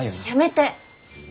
やめて。